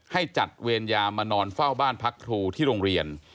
ให้จัดเวรยามานอนเฝ้าบ้านพักครูที่โรงเรียน